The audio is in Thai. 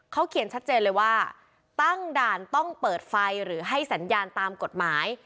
เขาเขียนชัดเจนเลยว่าตั้งด่านต้องเปิดไฟหรือให้สัญญาณตามกฎหมาย